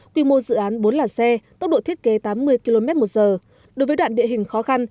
quy mô dự án bốn là xe tốc độ thiết kế tám mươi km một giờ đối với đoạn địa hình khó khăn